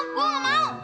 gue nggak mau